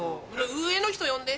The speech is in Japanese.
上の人呼んで。